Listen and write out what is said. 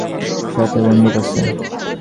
সাথে বন্দুক আছে?